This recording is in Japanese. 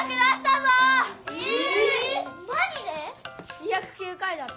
２０９回だって。